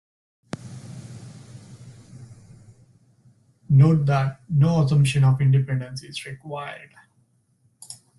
Note that no assumption of independence is required.